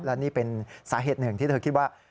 และนี่เป็นสาเหตุหนึ่งที่เธอคิดว่า